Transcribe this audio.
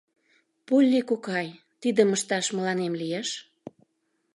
Полли кокай, тидым ышташ мыланем лиеш?